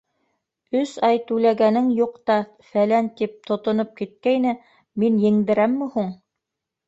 Өс ай түләгәнең юҡ та фәлән, тип тотоноп киткәйне, мин еңдерәмме һуң!